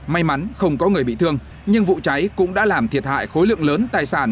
may mắn không có người bị thương nhưng vụ cháy cũng đã làm thiệt hại khối lượng lớn tài sản